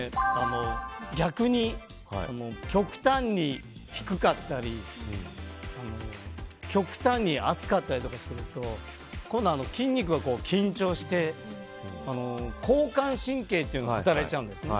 逆に極端に低かったり極端に熱かったりすると今度は筋肉が緊張して交感神経というのが働いちゃうんですね。